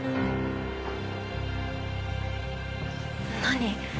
何？